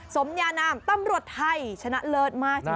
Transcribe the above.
สมยานามตำรวจไทยชนะเลิศมาก